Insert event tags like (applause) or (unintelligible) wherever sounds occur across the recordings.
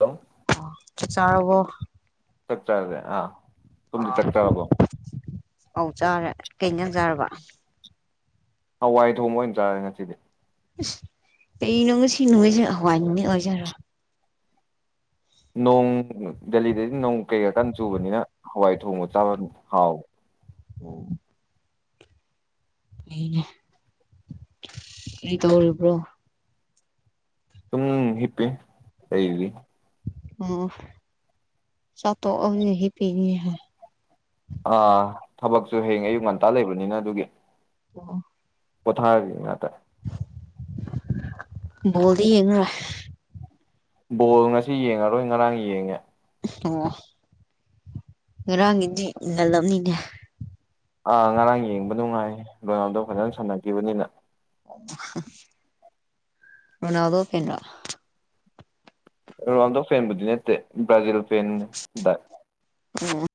Hello ꯆꯥꯛ ꯆꯥꯔꯕꯣ ꯆꯥꯛ ꯆꯥꯔꯦ ꯑꯥ ꯁꯣꯝꯗꯤ ꯆꯥꯛ ꯆꯥꯔꯕꯣ ꯑꯧ ꯆꯥꯔꯦ ꯀꯩ ꯏꯟꯖꯥꯡ ꯆꯥꯔꯕ ꯍꯋꯥꯏ ꯊꯣꯡꯕ ꯑꯣꯏꯅ ꯆꯥꯔꯦ ꯉꯁꯤꯗꯤ ꯑꯁ ꯀꯩꯅꯣ ꯉꯁꯤ ꯅꯨꯃꯤꯠꯁꯦ ꯍꯋꯥꯏ ꯅꯨꯃꯤꯠ ꯑꯣꯏꯖꯔꯥ ꯅꯣꯡ ꯗꯦꯜꯂꯤꯗꯗꯤ ꯅꯣꯡ ꯀꯩꯀꯥ ꯀꯥꯟꯅ ꯆꯨꯕꯅꯤꯅ ꯍꯋꯥꯏ ꯊꯣꯡꯕ ꯆꯥꯕ ꯍꯥꯎꯏ ꯑꯣ ꯑꯩꯅꯦ ꯀꯔꯤ ꯇꯧꯔꯤꯕ꯭ꯔꯣ ꯁꯨꯝ ꯍꯤꯞꯄꯤ ꯂꯩꯔꯤ ꯑꯣ ꯆꯥꯛ ꯇꯣꯛꯑꯕꯅꯤꯅ ꯍꯤꯞꯄꯤꯌꯦ ꯑꯥ ꯊꯕꯛꯁꯨ ꯍꯌꯦꯡ ꯑꯌꯨꯛ ꯉꯟꯇꯥ ꯂꯩꯕꯅꯤꯅ ꯑꯗꯨꯒꯤ ꯑꯣ ꯄꯣꯊꯔꯒꯦ ꯉꯥꯛꯇ ꯕꯣꯜꯗꯤ ꯌꯦꯡꯉꯔꯣꯏ ꯕꯣꯜ ꯉꯁꯤ ꯌꯦꯡꯉꯔꯣꯏ ꯉꯔꯥꯡ ꯌꯦꯡꯉꯦ ꯑꯣ ꯉꯔꯥꯡꯒꯤꯗꯤ ꯉꯜꯂꯝꯅꯤꯅꯦ ꯑꯥ ꯉꯔꯥꯡ ꯌꯦꯡꯕ ꯅꯨꯡꯉꯥꯏ ꯔꯣꯅꯥꯜꯗꯣ ꯐꯖꯅ ꯁꯥꯟꯅꯈꯤꯕꯅꯤꯅ ꯔꯣꯅꯥꯜꯗꯣ ꯐꯦꯟꯂꯣ ꯔꯣꯅꯥꯜꯗꯣ ꯐꯦꯟꯕꯨꯗꯤ ꯅꯦꯠꯇꯦ ꯕ꯭ꯔꯥꯖꯤꯜ ꯐꯦꯟꯅꯤ ꯗ ꯎꯝ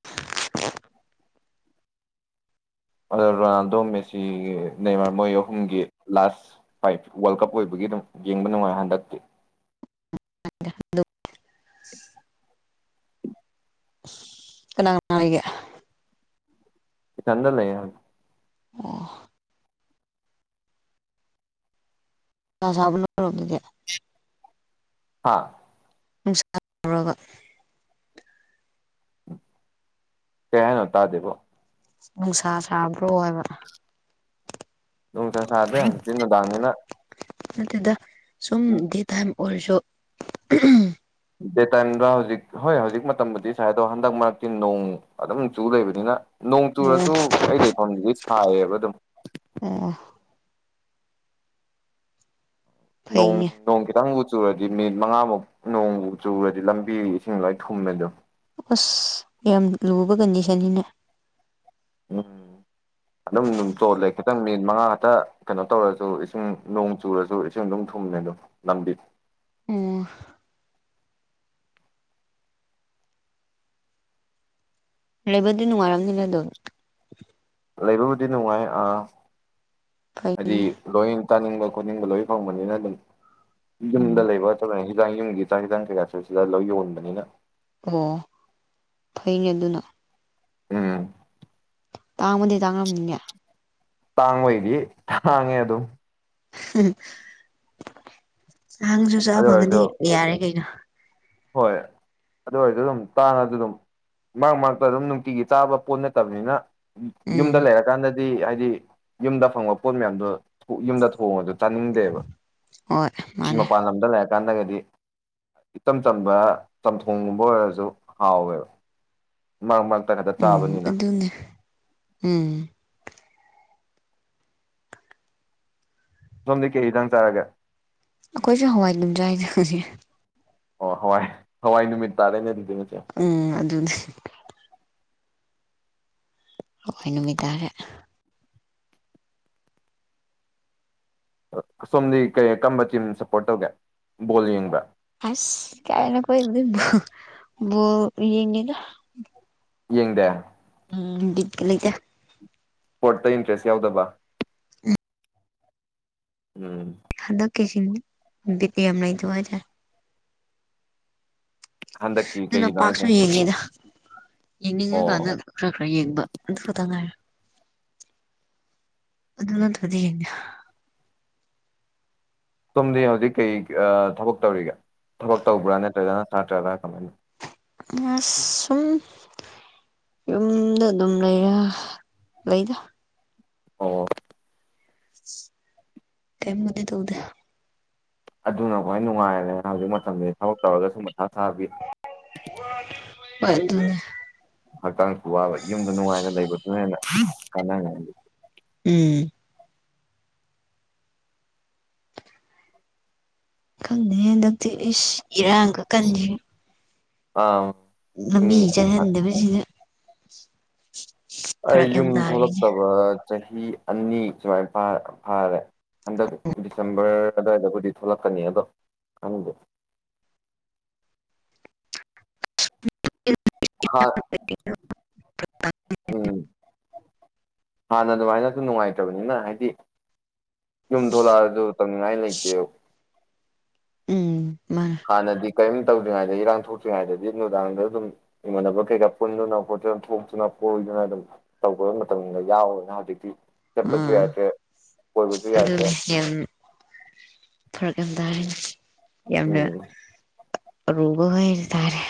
ꯔꯣꯅꯥꯜꯗꯣ ꯃꯦꯁꯤꯒꯤ ꯅꯦꯃꯔ ꯃꯣꯏ ꯑꯍꯨꯝꯒꯤ ꯂꯥꯁ ꯐꯥꯏꯠ ꯋꯥꯔꯜ ꯀꯞ ꯑꯣꯏꯕꯒꯤ ꯑꯗꯨꯝ ꯌꯦꯡꯕ ꯅꯨꯡꯉꯥꯏ ꯍꯟꯗꯛꯇꯤ (inaudible) ꯀꯅꯥ ꯀꯅꯥ ꯂꯩꯒꯦ ꯆꯗ ꯂꯩ ꯑ ꯁꯕꯅꯗ ꯍꯥꯥ ꯁꯥꯒ ꯀꯍꯟꯣꯇꯥꯗꯦꯕꯣ ꯅꯨꯡꯁꯥ ꯁꯥꯕ꯭ꯔꯣ ꯍꯥꯏꯕ ꯅꯨꯡꯊꯥ ꯁꯥꯗꯦ ꯆꯤꯟ ꯅꯨꯡꯗꯥꯡꯅꯤꯅ ꯑꯗꯨꯠꯇꯗ ꯁꯨꯝ ꯗꯤ ꯇꯥꯏꯝ ꯑꯣꯏꯔꯁꯨ ꯗꯦ ꯇꯥꯏꯝꯗ ꯍꯧꯖꯤꯛ ꯍꯣꯏ ꯍꯧꯖꯤꯛ ꯃꯇꯝꯕꯨꯗꯤ ꯁꯥꯏ ꯑꯗꯣ ꯍꯟꯗꯛ ꯃꯔꯛꯇꯤ ꯅꯣꯡ ꯑꯗꯨꯝ ꯆꯨ ꯂꯩꯕꯅꯤꯅ ꯅꯣꯡ ꯑꯣ ꯆꯨꯔꯁꯨ ꯑꯩ ꯂꯩꯐꯝꯗꯨꯗꯤ ꯁꯥꯏꯌꯦꯕ ꯑꯗꯨꯝ ꯑꯣ ꯣꯡ ꯐꯩꯅꯦ ꯅꯣꯡ ꯇꯪ ꯆꯨꯔꯗꯤ ꯃꯤꯅꯤꯠ ꯃꯉꯥꯃꯨꯛ ꯅꯣꯡꯃꯨ ꯆꯨꯔꯗꯤ ꯂꯝꯕꯤ ꯏꯁꯤꯡ ꯂꯣꯏ ꯊꯨꯝꯃꯦ ꯑꯗꯨꯣ ꯑꯁ ꯌꯥꯝ ꯂꯨꯕ ꯀꯟꯗꯤꯁꯟꯅꯤꯅꯦ ꯎꯝ (unintelligible) ꯑꯗꯨꯝ ꯑꯗꯨꯝ ꯆꯣꯜꯂꯦ ꯈꯤꯇꯪ ꯃꯤꯅꯤꯠ ꯃꯉꯥ ꯈꯛꯇ ꯀꯩꯅꯣ ꯇꯧꯔꯁꯨ ꯏꯁꯤꯡ ꯅꯣꯡ ꯆꯨꯔꯁꯨ ꯏꯁꯤꯡ ꯑꯗꯨꯝ ꯊꯨꯡ ꯃꯦ ꯑꯗꯨ ꯅꯝꯗꯤ ꯑꯣꯝ ꯂꯩꯕꯗꯤ ꯅꯨꯡꯉꯥꯏꯔꯝꯅꯤꯅꯦꯗꯣ ꯂꯩꯕꯕꯨꯗꯤ ꯅꯨꯡꯉꯥꯏ ꯐꯩ ꯍꯥꯏꯗꯤ ꯂꯣꯏ ꯇꯥꯅꯤꯡꯕ ꯈꯣꯠꯅꯤꯡꯕ ꯂꯣꯏ ꯐꯪꯕꯅꯤꯅ ꯑꯗꯨꯝ ꯌꯨꯝꯗ ꯎꯝ ꯂꯩꯕ ꯁꯤꯗ ꯌꯨꯝꯒꯤ ꯆꯥꯡ ꯈꯤꯗꯪ ꯀꯩꯀꯥꯁꯨ ꯁꯤꯗ ꯂꯧ ꯌꯣꯟꯕꯅꯤꯅ ꯑꯣ ꯐꯩꯅꯦ ꯑꯗꯨꯅ ꯎꯝ ꯇꯥꯡꯉꯕꯗꯤ ꯇꯥꯡꯉꯝꯅꯤꯉ ꯇꯥꯡꯕꯩꯗꯤ ꯇꯥꯡꯉꯦ ꯑꯗꯨꯝ ꯅꯍꯥꯡꯁꯨ ꯑꯗꯨ ꯆꯥꯕ ꯐꯪꯉꯗꯤ ꯑꯣꯏꯔꯁꯨ ꯌꯥꯔꯦ ꯀꯩꯅꯣ ꯍꯣꯏ ꯑꯗꯨ ꯑꯣꯏꯔꯗꯤ ꯑꯗꯨꯝ ꯇꯥꯅꯁꯨ ꯑꯗꯨꯝ ꯃꯛ ꯃꯛꯇ ꯑꯗꯨꯝ ꯅꯨꯡꯇꯤꯒꯤ ꯇꯥꯕ ꯄꯣꯠ ꯅꯠꯇꯕꯅꯤꯅ ꯌꯨꯝꯗ ꯎꯝ ꯂꯩꯔꯀꯥꯟꯗꯗꯤ ꯍꯥꯏꯗꯤ ꯌꯨꯝꯗ ꯐꯪꯕ ꯄꯣꯠ ꯃꯌꯥꯝꯗꯣ ꯌꯨꯝꯗ ꯊꯣꯡꯉꯗ ꯆꯥꯅꯤꯡꯗꯦꯕ ꯍꯣꯏ ꯆ ꯃꯥꯅꯦ ꯃꯄꯥꯟ ꯂꯝꯗ ꯂꯩꯔ ꯀꯥꯟꯗꯒꯗꯤ ꯏꯆꯝ ꯆꯝꯕ ꯆꯝꯊꯣꯡꯒꯨꯝꯕ ꯑꯣꯏꯔꯁꯨ ꯍꯥꯎꯋꯦꯕ ꯃꯔꯛ ꯃꯔ ꯎꯝ ꯑꯗꯨꯟꯅ ꯎꯝ ꯁꯣꯝꯗꯤ ꯀꯦ ꯏꯗꯪ ꯆꯥꯔꯒꯦ ꯑꯩꯈꯣꯏꯁꯨ ꯍꯋꯥꯏꯗꯨꯝꯖ ꯍꯥꯏꯖꯁ ꯑꯣ ꯍꯋꯥꯏ ꯍꯋꯥꯏ ꯅꯨꯃꯤꯠ ꯇꯥꯔꯦꯅꯦꯗꯤ ꯎꯝ ꯑꯗꯨꯅꯦ ꯍꯈꯣꯏ ꯅꯨꯃꯤ ꯇꯔꯦ ꯁꯣꯝꯗꯤ ꯀꯔꯤ ꯀꯔꯝꯕ ꯇꯤꯝ ꯁꯞꯄꯣꯔꯠ ꯇꯧꯒꯦ ꯕꯣꯜ ꯌꯦꯡꯕ ꯑꯁ ꯀꯥꯏꯅ ꯀꯣꯏꯣ ꯌꯦꯗꯗꯥꯥ ꯌꯦꯡꯗꯦ ꯎꯝ ꯕꯤꯠꯀ ꯂꯩꯇꯦ꯫ ꯇ ꯏꯟꯇ꯭ꯔꯦꯁ ꯌꯥꯎꯗꯕ ꯎꯝ ꯍꯗꯛꯀꯤꯁꯤꯟ ꯕꯦꯇ ꯌꯥꯝ ꯑꯃꯅꯩ ꯍꯖꯔ ꯍꯟꯗꯛꯀꯤ ꯑꯗꯨꯅ ꯀꯩꯒꯤꯅꯣ ꯍꯥꯏꯁꯦ ꯄꯥꯥꯁ ꯌꯦꯡꯒꯗ ꯑꯣ ꯌꯦꯡꯅꯤꯡꯉꯀꯥꯟꯗ ꯈꯔ ꯈꯔ ꯌꯦꯡꯕ ꯑꯗꯨ ꯈꯛꯇꯪ ꯉꯥꯏꯔ ꯑꯗꯨꯅꯠꯇꯩꯅ ꯁꯣꯝꯗꯤ ꯍꯧꯖꯤꯛ ꯀꯩ ꯊꯕꯛ ꯇꯧꯔꯤꯒꯦ ꯊꯕꯛ ꯇꯧꯕ꯭ꯔꯥ ꯅꯠꯇ꯭ꯔꯖꯅ ꯁꯥꯠꯇ꯭ꯔꯕꯥ ꯀꯃꯥꯏꯅ ꯑ ꯁꯨꯝ ꯌꯨꯝꯗ ꯑꯗꯨꯝ ꯂꯩꯔ ꯂꯩꯗ ꯑꯣ ꯀꯩ ꯃꯗꯦ ꯇ ꯎꯗ ꯑꯗꯨꯅ ꯈꯋꯥꯏ ꯅꯨꯡꯉꯥꯏꯔꯦꯅ ꯍꯧꯖꯤꯛ ꯃꯇꯝꯁꯤ ꯊꯕꯛ ꯇꯧꯔꯒ ꯁꯨꯝ ꯃꯊꯥ ꯁꯥꯕꯤ ꯑꯗꯨ ꯑꯗꯨꯅꯦ ꯍꯛꯆꯥꯡꯁꯨ ꯋꯥꯕ ꯌꯨꯝꯗ ꯅꯨꯡꯉꯥꯏꯅ ꯂꯩꯕꯗꯨꯅ ꯍꯦꯟꯅ ꯀꯥꯟꯅ ꯎꯝ ꯈꯪꯗꯦ ꯍꯟꯗꯛꯇꯤ ꯏꯁ ꯏꯔꯥꯡꯒ ꯀꯟꯁꯤ ꯑꯥ ꯌꯨꯝ ꯉꯃꯤ ꯆ ꯍꯦꯟꯗꯅ ꯑꯩ ꯌꯨꯝ ꯊꯣꯛꯂꯛꯇꯕ ꯆꯍꯤ ꯑꯅꯤ ꯁꯨꯃꯥꯏ ꯐꯥꯔꯦ ꯍꯟꯗꯛ ꯗꯤꯁꯦꯝꯕꯔ ꯑꯋꯥꯏꯗꯕꯨꯗꯤ ꯊꯣꯛꯂꯛꯀꯅꯤ ꯑꯗꯣ ꯈꯪꯗꯦ ꯍꯥꯟ (inaudible) ꯎꯝ ꯍꯥꯟꯅ ꯑꯗꯨꯃꯥꯏꯅꯁꯨ ꯅꯨꯡꯉꯥꯏꯇꯕꯅꯤꯅ ꯍꯥꯏꯗꯤ ꯌꯨꯝ ꯊꯣꯛꯂꯛꯑꯁꯨ ꯇꯝꯅꯤꯡꯉꯥꯏ ꯂꯩꯇꯦꯕ ꯎꯝ ꯃꯥꯅꯦ ꯍ ꯅꯗꯤ ꯀꯔꯤꯝ ꯇꯧꯗ꯭ꯔꯤꯉꯩꯗ ꯏꯔꯥꯡ ꯊꯣꯛꯇ꯭ꯔꯤꯉꯩꯗꯗꯤ ꯅꯨꯡꯗꯥꯡꯗ ꯑꯗꯨꯝ ꯏꯃꯥꯟꯅꯕ ꯀꯩꯀꯥ ꯄꯨꯟꯗꯨꯅ ꯈꯣꯅ ꯊꯣꯛꯇꯨꯅ ꯀꯣꯏꯗꯨꯅ ꯑꯗꯨꯝ ꯇꯕ ꯃꯇꯝꯗ ꯌꯥꯎꯕꯅ ꯍꯧꯖꯤꯛꯇꯤ ꯆꯠꯄꯁꯨ ꯑꯥ ꯌꯥꯏꯗ꯭ꯔꯦ ꯀꯣꯏꯕꯁꯨ ꯌꯥꯏꯗ꯭ꯔꯦ ꯐꯔꯛꯑ ꯇꯥꯔꯦꯅꯦ ꯌꯥꯝꯅ ꯑꯔꯨꯕ ꯑꯣꯏꯇꯥꯥꯔꯦ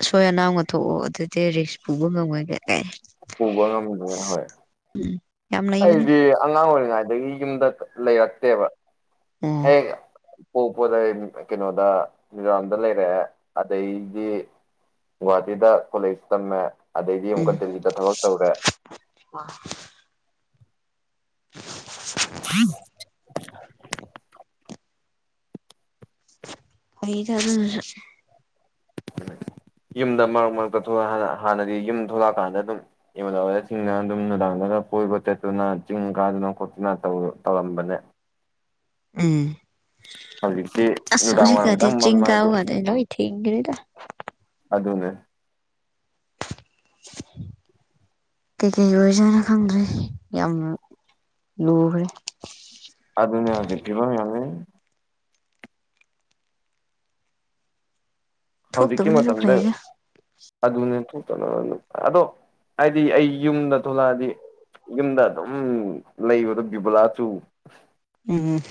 ꯑꯁꯣꯏ ꯑꯅꯥꯝꯅ ꯊꯣꯛꯑꯣ ꯑꯗꯨꯗꯤ ꯔꯤꯛꯁ ꯄꯨꯕ ꯉꯝꯃꯣꯏ ꯀꯩ ꯀ ꯄꯨꯕ ꯉꯝꯗꯦ ꯍꯣꯏ ꯎꯝ ꯌꯥꯝ ꯂꯩꯕꯅꯤꯅ ꯑꯩꯗꯤ ꯑꯉꯥꯡ ꯑꯣꯏꯔꯤꯉꯩ ꯑꯗꯒꯤ ꯌꯨꯝꯗ ꯂꯩꯔꯛꯇꯦꯕ ꯑꯦ ꯍꯦꯛ ꯄꯣꯛꯄꯗ ꯀꯩꯅꯣꯗ ꯃꯤꯔꯝꯗ ꯂꯩꯔꯛꯑꯦ ꯑꯗꯩꯗꯤ ꯋꯥꯗꯗ ꯐꯂ ꯏꯁꯇꯝ ꯑꯗꯩꯗꯤ ꯎꯝ ꯑꯃꯨꯛꯀ ꯗꯔꯤꯖꯤꯗ ꯊꯕꯛ ꯇꯧꯈ꯭ꯔꯦ (inaudible) ꯍꯥ ꯑꯩꯩꯔ ꯑꯗꯨ (inaudible) ꯌꯨꯝꯗ ꯃꯔꯛ ꯃꯔꯛꯇ ꯊꯣꯛꯂꯛ ꯍꯥꯟꯅ ꯍꯥꯟꯅꯗꯤ ꯌꯨꯝ ꯊꯣꯛꯂꯛꯑꯀꯥꯟꯗ ꯑꯗꯨꯝ ꯏꯃꯟꯅꯕꯁꯤꯡꯅ ꯑꯗꯨꯝ ꯅꯨꯡꯗꯥꯡ ꯒ ꯀꯣꯏꯕ ꯆꯠꯇꯨꯅ ꯆꯤꯡ ꯀꯥꯗꯅ ꯈꯣꯠꯇꯨꯅ ꯇꯧꯔꯝꯕꯅꯦ ꯎꯝ ꯍꯧꯖꯤꯛꯇꯤ ꯅꯨꯡꯗꯥꯡ ꯑꯁꯖꯤ ꯋꯥꯏꯔꯝ ꯀꯗꯤ ꯈꯤꯇꯪ ꯆꯤꯡꯀꯗ ꯃꯝꯃꯗꯤ ꯀ ꯑꯗꯨ ꯑꯗꯨꯅꯦ (inaudible) ꯀꯩꯀꯩ ꯑꯣꯏꯁꯥꯅ ꯈꯪꯗ꯭ꯔꯦ ꯌꯥꯝ ꯂꯨꯈ꯭ꯔꯦ ꯑꯗꯨ ꯑꯗꯨ ꯅ ꯍꯧꯖꯤꯀꯤꯕ ꯌꯥꯅꯤ ꯍꯧꯖꯤ ꯀ ꯃ ꯊꯣꯛꯇꯕꯅꯁꯨ ꯃꯇꯝꯝꯗ ꯐꯩꯗ ꯑꯗꯨꯅꯦ ꯊꯣꯛꯇꯅꯕ ꯑꯗꯣ ꯍꯥꯏꯗꯤ ꯑꯩ ꯌꯨꯝꯗ ꯊꯣꯛꯂꯛꯑꯗꯤ ꯌꯨꯝꯗ ꯑꯗꯨꯝ ꯂꯩꯕꯗꯣ ꯕꯤꯕꯨꯂꯥꯁꯨ ꯎꯝ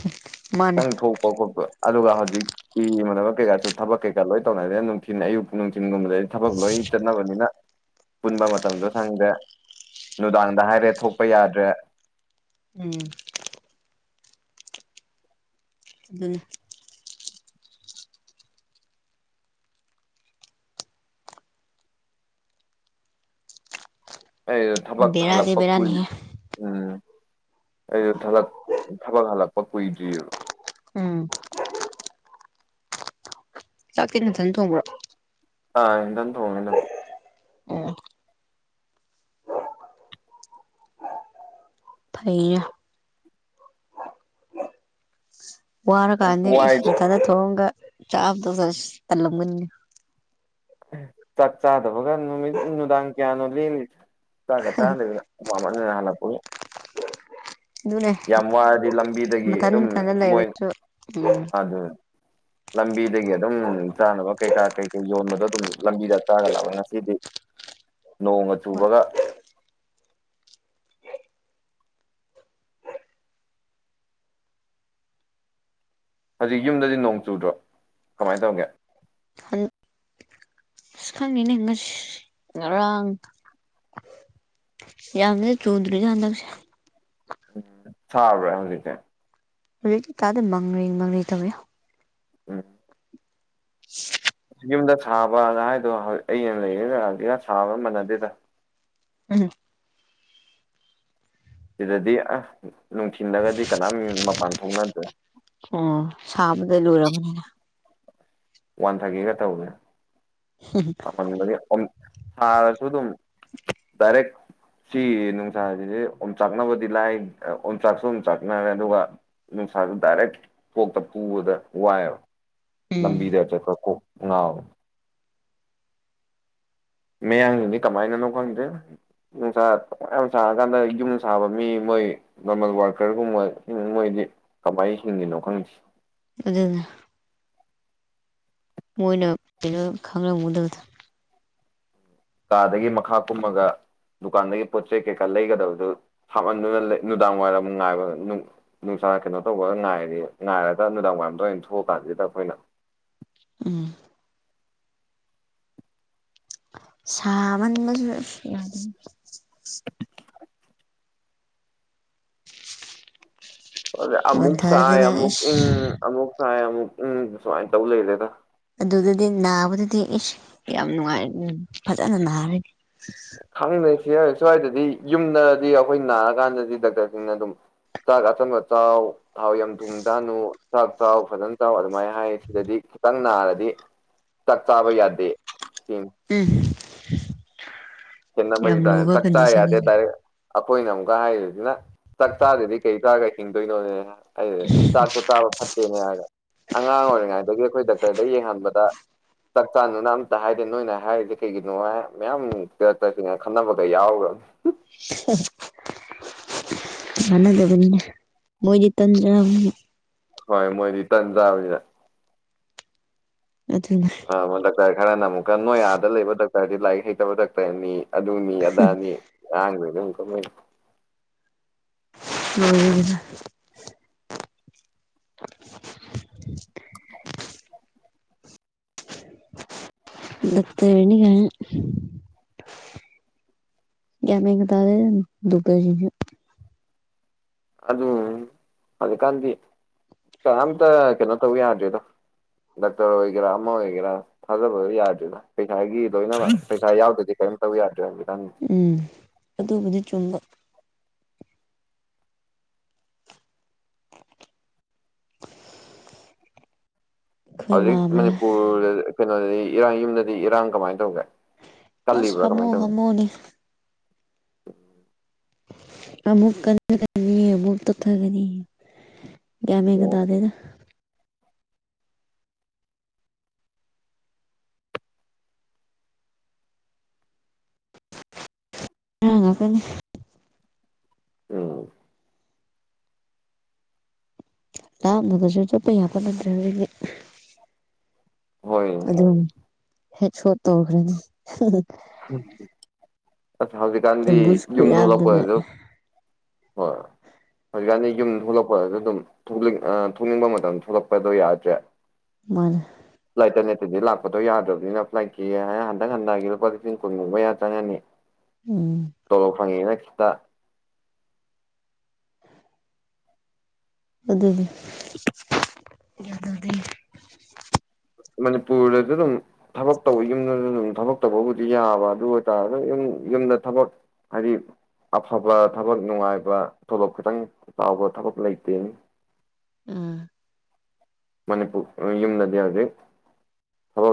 ꯃꯥꯅꯦ ꯅꯪ ꯊꯣꯛꯄ ꯈꯣꯠꯄ ꯑꯗꯨꯒ ꯍꯧꯖꯤꯛꯤ ꯏ ꯃꯅꯕ ꯀꯩꯀꯥꯁꯨ ꯊꯕꯛ ꯀꯩꯀꯥ ꯂꯣꯏ ꯇꯧꯅꯔꯤꯅ ꯅꯨꯡꯊꯤꯤꯟ ꯑꯌꯨꯛ ꯆꯤꯡꯒꯨꯝꯕꯗ ꯊꯕꯛ ꯂꯣꯏ ꯆꯠꯅꯕꯅꯤꯅ ꯄꯨꯟꯕ ꯃꯇꯝꯗꯣ ꯁꯪꯗ꯭ꯔꯦ ꯅꯨꯡꯗꯥꯡꯗ ꯍꯥꯏꯔꯦ ꯊꯣꯛꯄ ꯌꯥꯗ꯭ꯔꯦ ꯎꯝ ꯑꯗꯅ ꯑꯩ ꯊꯕꯛ ꯕꯦꯔꯥꯗꯤ ꯍꯜꯂꯛꯄ ꯀꯨꯏ ꯕꯦꯔꯥꯅꯤꯍꯦ ꯎꯝ ꯑꯩꯁꯨ ꯊꯗꯛ ꯊꯕꯛ ꯍꯜꯂꯛꯄ ꯀꯨꯏꯗ꯭ꯔꯤꯑꯕ ꯎꯝ ꯆꯥꯛꯇꯦ ꯃꯊꯅ ꯊꯣꯡꯕ꯭ꯔꯣ (unintelligible) ꯑꯣ ꯐꯩꯌꯦ ꯋꯥꯔꯀꯥꯟꯗ ꯋꯥꯏ ꯏꯁꯊꯥꯗ ꯊꯣꯡꯑꯉꯒ ꯆꯥꯕꯗ ꯇꯜꯂꯝꯒꯅꯤꯅꯤ ꯆꯥꯛ ꯆꯥꯗꯕꯒ ꯅꯨꯃꯤꯠ ꯅꯨꯡꯗꯥꯡ ꯀꯌꯥꯅꯣ ꯂꯤꯜꯂꯤꯁꯦ ꯆꯒ ꯆꯥꯟꯗ ꯃꯅꯤꯅ ꯍꯥꯜꯂ ꯄꯨꯅꯤ ꯑꯗꯨꯅꯦ ꯌꯥꯝ ꯋꯥꯔꯗꯤ ꯂꯝꯕꯤꯗꯒꯤ ꯃꯊꯟ ꯑꯗꯨꯝ ꯃꯊꯟꯇ ꯂꯩꯕꯁꯨ ꯎꯝ ꯑꯗꯨ ꯂꯝꯕꯤꯗꯒꯤ ꯑꯗꯨꯝ ꯆꯥꯅꯕ ꯀꯩꯀꯥ ꯀꯩꯀꯩ ꯌꯣꯟꯕꯗ ꯑꯗꯨꯝ ꯂꯝꯕꯤꯗ ꯆꯥꯒ ꯉꯁꯤꯗꯤ ꯅꯣꯡꯒ ꯍꯣꯏ ꯆꯨꯕꯒ ꯍꯧꯖꯤꯛ ꯌꯨꯝꯗꯗꯤ ꯅꯣꯡ ꯆꯨꯗ꯭ꯔꯣ ꯀꯃꯥꯏꯅ ꯇꯧꯒꯦ ꯁꯨ ꯈꯥꯡꯅꯤꯅ ꯍꯅꯁꯤ ꯉꯥꯔꯥꯡ ꯌꯥꯝ ꯆꯣꯡꯗꯅꯤ ꯌꯥꯗꯁ ꯎꯝ ꯁꯥꯕ꯭ꯔꯦ ꯍꯧꯖꯤꯛꯇꯦ ꯍꯧꯖꯤꯛ ꯏꯇꯥꯥꯗ ꯃꯪꯔꯦ ꯃꯪꯔꯦ ꯇꯧꯔꯤ ꯎꯝ (unintelligible) ꯌꯨꯝꯗ ꯁꯥꯕ ꯑꯗꯨ ꯍꯥꯏꯗꯣ ꯑꯩ ꯂꯩꯔ ꯂꯥꯛꯑꯒꯦꯔ ꯁꯥꯕꯒ ꯃꯥꯟꯅꯗꯦꯗ ꯑ ꯁꯤꯗꯗꯤ ꯑ ꯅꯨꯡꯊꯤꯜꯂꯒꯗꯤ ꯀꯅꯥꯝ ꯃꯄꯥꯟ ꯊꯣꯛꯅ ꯑꯣ ꯁꯥꯕꯗ ꯂꯨꯔꯕꯅꯤꯅ ꯋꯥꯟ ꯊꯥꯔꯇꯒ ꯇꯧꯅꯦ ꯍꯟꯕ ꯁꯥꯔꯁꯨ ꯑꯗꯨꯝ ꯗꯥꯏꯔꯦꯛ ꯁꯤ ꯅꯨꯡꯁꯥꯁꯤꯁꯦ ꯌꯣꯡꯆꯥꯛꯅꯕꯗꯤ ꯂꯥꯏ ꯌꯣꯡꯆꯥꯛꯁꯨ ꯌꯝꯆꯥꯛꯅꯔꯦ ꯑꯗꯨꯒ ꯅꯨꯡꯁꯥ ꯗꯥꯏꯔꯦꯛ ꯀꯣꯛꯇ ꯄꯨꯕꯗ ꯋꯥꯏꯑꯕ ꯎꯝ (unintelligible) ꯃꯌꯥꯒꯤꯅꯤ ꯀꯃꯥꯏꯅꯅꯣ ꯈꯪꯗꯦ ꯅꯨꯡꯁꯥ ꯌꯥꯝ ꯁꯥꯔꯀꯥꯟꯗ ꯌꯨꯝ ꯁꯥꯕ ꯃꯤ ꯃꯣꯏ ꯅꯣꯔꯃꯦꯜ ꯋꯥꯔꯀꯔꯒꯨꯝꯕ ꯃꯣꯏꯗꯤ ꯀꯃꯥꯏ ꯍꯤꯡꯉꯤꯅꯣ ꯈꯪꯁꯤ ꯑꯗꯨꯗꯅ ꯃꯣꯏꯅ ꯀꯩꯅꯣ ꯈꯪꯂꯝꯝꯃꯨꯗꯕꯗ ꯀꯥꯗꯒꯤ ꯃꯈꯥ ꯀꯨꯝꯃꯒ ꯗꯨꯀꯥꯟꯗꯒꯤ ꯄꯣꯠ ꯆꯩ ꯀꯩꯀꯥ ꯂꯩꯒꯗꯕꯗꯨ ꯍꯥꯞꯍꯟꯗꯨꯅ ꯅꯨꯡꯗꯥꯡ ꯋꯥꯏꯔꯝ ꯑꯃꯛ ꯉꯥꯏꯕ ꯀꯩꯅꯣ ꯇꯧꯕꯒ ꯉꯥꯏꯔꯤ ꯉꯥꯏꯔꯒ ꯅꯨꯅꯨꯡꯗꯥꯡ ꯋꯥꯏꯔꯝꯗ ꯑꯣꯏꯅ ꯊꯣꯛꯑ ꯀꯥꯟꯁꯤꯗ ꯑꯩꯈꯣꯏꯅ ꯎꯝ ꯁꯥꯃꯟꯕꯁꯨ ꯌꯥꯗ ꯑꯃꯨꯛ ꯁꯥꯏ ꯋꯥꯟꯊꯗꯅ ꯑꯃꯨꯛ ꯑꯁ ꯏꯪ ꯑꯃꯨꯛ ꯁꯥꯏ ꯑꯃꯨꯛ ꯁꯨꯃꯥꯏꯅ ꯇꯧ ꯂꯩꯔꯦꯗ ꯑꯗꯨꯗꯗꯤ ꯅꯥꯕꯗꯗꯤ ꯏꯁ ꯌꯥꯝ ꯅꯨꯡꯉꯥꯏ ꯎ ꯐꯖꯅ ꯅꯥꯔꯦ ꯈꯪꯗꯔꯤꯁꯤ ꯁ꯭ꯋꯥꯏꯗꯗꯤ ꯌꯨꯝꯗꯔꯗꯤ ꯑꯩꯈꯣꯏ ꯅꯥꯔꯀꯥꯟꯗꯗꯤ ꯗꯥꯛꯇꯔꯁꯤꯡꯅ ꯑꯗꯨꯝ ꯆꯥꯛꯒ ꯊꯨꯆ ꯊꯥꯎ ꯌꯥꯝꯨ ꯊꯨꯝ ꯆꯅꯨ ꯆꯥꯛ ꯆꯥꯎ ꯐꯖꯅ ꯆꯥꯎ ꯑꯗꯨꯃꯥꯏꯅ ꯍꯥꯏ ꯁꯤꯗꯗꯤ ꯈꯤꯇꯪ ꯅꯥꯔꯗꯤ ꯆꯥꯛ ꯆꯥꯕ ꯌꯥꯗꯦ ꯎꯝ ꯀꯅ ꯃ ꯌꯥꯝ ꯇ ꯂꯨꯕ ꯇꯥꯛ ꯆ ꯌꯥꯗꯦ ꯀꯟꯗꯤꯁꯟꯅꯤꯅꯦ ꯇꯔꯦ ꯑꯩꯈꯣꯏꯅ ꯑꯃꯨꯛꯀ ꯍꯥꯏꯔꯤꯁꯤꯅ ꯆꯥꯛ ꯆꯥꯗꯗꯤ ꯀꯩ ꯇꯥꯔꯒ ꯍꯤꯡꯗꯣꯏꯅꯣꯅꯦ ꯍꯥꯏꯗꯤ ꯆꯥꯛꯇꯣ ꯆꯥꯕ ꯐꯠꯇꯦꯅꯦ ꯍꯥꯏꯔꯒ ꯑꯉꯥꯡ ꯑꯣꯏꯔꯤꯉꯩꯗꯒꯤ ꯑꯩꯈꯣꯏ ꯗꯥꯛꯇꯔꯗ ꯌꯦꯡꯍꯟꯕꯗ ꯆꯥꯛꯀꯥꯟꯗꯅ ꯑꯝꯇ ꯍꯥꯏꯗꯤꯦ ꯅꯣꯏꯅ ꯍꯥꯏꯔꯤꯁꯦ ꯀꯩꯒꯤꯅꯣ ꯃꯌꯥꯝ ꯔꯛꯇꯁꯤꯅ ꯈꯟꯅꯕꯒ ꯌꯥꯎꯈ꯭ꯔꯅꯤ (inaudible) (unintelligible) ꯃꯅꯗꯕ ꯃꯣꯏ ꯆꯇꯟꯗ ꯍꯣꯏ ꯃꯣꯏꯗꯤ ꯇꯥꯟ ꯆꯥꯕꯅꯤꯗ ꯑꯗꯨꯅ ꯗꯣꯛꯇꯔ ꯈꯔꯅ ꯑꯃꯨꯛꯀ ꯅꯣꯌꯥꯗ ꯂꯩꯕ ꯗꯣꯛꯇꯔꯗꯤ ꯂꯥꯏꯔꯤꯛ ꯍꯩꯇꯕ ꯗꯥꯛꯇꯔꯅꯤ ꯑꯗꯨꯅꯤ ꯑꯗꯥꯅꯤ ꯑꯍꯥꯡꯅꯤ ꯑꯗꯨꯝ ꯀꯪꯩ ꯎꯝ (unintelligible) (inaudible) ꯂꯠꯇ ꯌꯦꯅꯤꯒꯦ ꯌꯥꯃꯦ ꯀ ꯇꯦ ꯗꯨꯕ ꯑꯗꯨꯝ ꯍꯧꯖꯤꯛꯀꯥꯟꯗꯤ ꯀꯅꯥꯝꯇ ꯀꯩꯅꯣ ꯇꯧ ꯌꯥꯗꯦꯗꯣ ꯗꯣꯛꯇꯔ ꯑꯣꯏꯒꯦꯔꯥ ꯑꯃ ꯑꯣꯏꯒꯦꯔꯥ ꯊꯥꯖꯕꯗꯣ ꯌꯥꯗ꯭ꯔꯦꯗ ꯄꯩꯁꯥꯒꯤ ꯂꯣꯏꯅꯃꯛ ꯄꯩꯁꯥ ꯌꯥꯎꯗꯗꯤ ꯌꯥꯗ ꯎꯝ ꯑꯗꯨꯕꯨꯗꯤ ꯆꯨꯝꯕ ꯑꯩꯈꯣꯏ ꯍꯧꯖꯤꯛ ꯃꯥꯝꯃ ꯃꯅꯤꯄꯨꯔꯗ ꯀꯩꯅꯣꯗꯗꯤ ꯏꯔꯥꯡ ꯌꯨꯝꯗꯗꯤ ꯏꯔꯥꯡ ꯀꯃꯥꯏꯅ ꯇꯧꯒꯦ ꯑꯁ ꯍꯃꯨ ꯍꯃꯨꯅꯤ ꯎꯝ ꯑꯃꯃꯨꯛ ꯀꯅꯤ ꯑꯃꯃꯨꯛ ꯇ ꯈꯒꯅꯤ ꯑꯣ ꯒꯃꯦꯒꯗꯗꯥꯗꯦꯗ ꯑꯉ ꯀ ꯑ ꯂꯥꯝꯗꯗꯁꯨ ꯆꯠꯄ ꯌꯥꯄ ꯅꯠꯇ꯭ꯔꯦ ꯍꯧꯖꯤꯗꯤ ꯍꯣꯏ ꯑꯗꯨꯝ ꯍꯦꯛ ꯁꯣꯠꯇꯧꯈ꯭ꯔꯦꯅꯦ ꯑ ꯍꯧꯖꯤꯛꯀꯥꯟꯗꯤ ꯑꯦꯝꯕꯨꯁ ꯌꯨꯝꯗ ꯈꯨꯌꯥꯝꯗꯨꯒ ꯊꯣꯛꯂꯛꯄꯁꯨ ꯍꯣꯏ ꯍꯧꯖꯤꯛꯀꯥꯟꯗꯤ ꯌꯨꯝ ꯊꯣꯛꯂꯛꯄ ꯑꯗꯨꯝ ꯑ ꯊꯣꯛꯅꯤꯡꯕ ꯃꯇꯝꯗ ꯊꯣꯛꯂꯛꯄꯗꯣ ꯌꯥꯗ꯭ꯔꯦ ꯃꯔ ꯑꯗꯨꯗꯤ ꯂꯥꯛꯄꯗꯣ ꯌꯥꯗ꯭ꯔꯕꯅꯤꯅ ꯑꯦꯄ꯭ꯂꯥꯏ ꯀꯑꯦ ꯍꯥꯏ ꯍꯟꯗꯛ ꯍꯟꯗꯛꯒꯤ ꯂꯨꯄꯥ ꯂꯤꯁꯤꯡ ꯀꯨꯟꯒꯨꯝꯕ ꯌꯥ ꯆꯪꯉꯅꯤ ꯎꯝ ꯆꯂꯣ ꯐꯪꯉꯤꯅ ꯁꯤꯈꯤꯠꯇ ꯑꯗꯨ ꯑꯗꯨꯗꯤ ꯑꯗꯨ ꯑꯗꯨꯗꯤ ꯃꯅꯤꯄꯨꯔꯗꯁꯨ ꯑꯗꯨꯝ ꯊꯕꯛ ꯇꯧꯕ ꯌꯨꯝꯗꯁꯨ ꯑꯗꯨꯝ ꯊꯕꯛ ꯇꯧꯕꯕꯨꯗꯤ ꯌꯥꯕ ꯑꯗꯨ ꯑꯣꯏꯇꯥꯔꯁꯨ ꯌꯨꯝ ꯌꯨꯝꯗ ꯊꯕꯛ ꯍꯥꯏꯗꯤ ꯑꯐꯕ ꯊꯕꯛ ꯅꯨꯡꯉꯥꯏꯕ ꯊꯣꯂꯣꯞ ꯈꯤꯇꯪ ꯆꯥꯎꯕ ꯊꯕꯛ ꯂꯩꯇꯦ ꯑ ꯃꯅꯤꯄꯨꯔ ꯌꯨꯝ ꯅꯗꯤ ꯌꯥꯎꯗꯤ